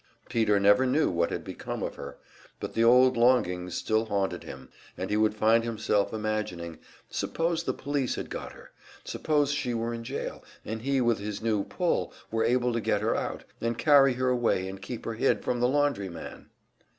Peter never knew what had become of her, but the old longings still haunted him, and he would find himself imagining suppose the police had got her; suppose she were in jail, and he with his new "pull" were able to get her out, and carry her away and keep her hid from the laundry man!